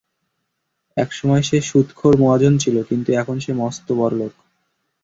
একসময় সে সুদখোর মহাজন ছিলো, কিন্তু এখন সে মস্ত বড়ো বড়লোক!